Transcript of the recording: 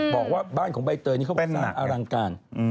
บอกว่าบ้านของใบเตยนี่เขาบอกสร้างอลังการ